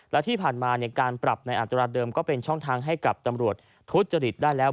และที่ผ่านมาการปรับในอัตราเดิมก็เป็นช่องทางให้กับตำรวจทุจริตได้แล้ว